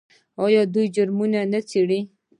آیا دوی جرمونه نه څیړي؟